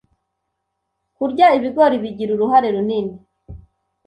Kurya ibigori bigira uruhare runini